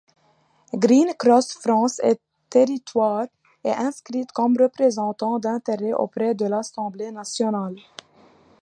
Green Cross France et Territoires est inscrite comme représentant d'intérêts auprès de l'Assemblée nationale.